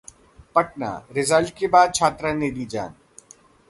Patna: result के बाद छात्रा ने दी जान